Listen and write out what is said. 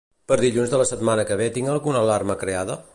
Per dilluns de la setmana que ve tinc alguna alarma creada?